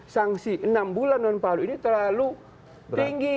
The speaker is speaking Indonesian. sanksi enam bulan non palu ini terlalu tinggi